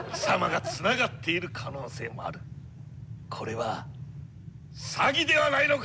これは詐欺ではないのか！？